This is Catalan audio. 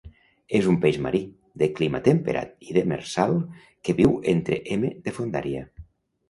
És un peix marí, de clima temperat i demersal que viu entre m de fondària.